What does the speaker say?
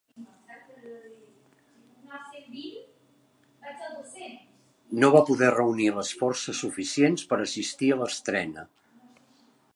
No va poder reunir les forces suficients per assistir a l'estrena.